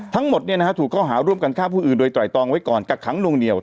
ทั้งหมดถูกเข้าหาร่วมกันฆ่าผู้อื่นโดยไตรตองไว้ก่อนกักขังนวงเหนียว